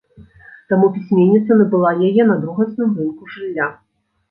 Таму пісьменніца набыла яе на другасным рынку жылля.